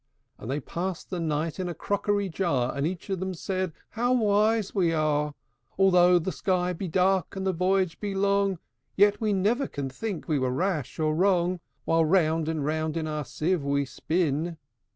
And they passed the night in a crockery jar; And each of them said, "How wise we are! Though the sky be dark, and the voyage be long, Yet we never can think we were rash or wrong, While round in our sieve we spin."